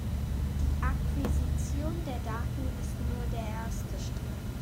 Die Akquisition der Daten ist nur der erste Schritt.